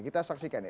kita saksikan yuk